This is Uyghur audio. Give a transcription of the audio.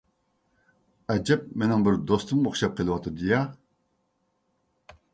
ئەجەب مېنىڭ بىر دوستۇمغا ئوخشاپ قېلىۋاتىدۇ يا.